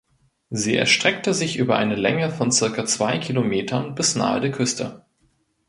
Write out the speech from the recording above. Sie erstreckte sich über eine Länge von circa zwei Kilometern bis nahe der Küste.